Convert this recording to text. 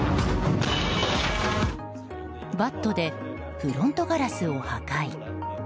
バットでフロントガラスを破壊。